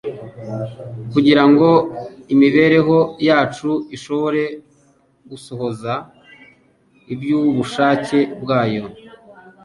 kugira ngo imibereho yacu ishobore gusohoza iby'ubushake bwayo.